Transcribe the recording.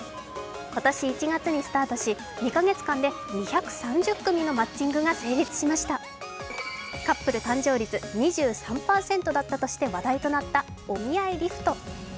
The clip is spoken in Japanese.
今年１月にスタートし２カ月間で２３０組のマッチングが成功しましたカップル誕生率２３％だったとして話題となったＯｍｉａｉリフト。